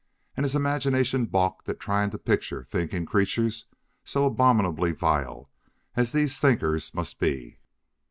And his imagination balked at trying to picture thinking creatures so abominably vile as these thinkers must be.